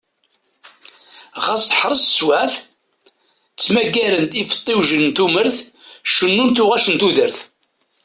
Xas teḥṛes teswaɛt ttmagaren-d ifeṭṭiwjen n tumert, cennun tuɣac n tudert.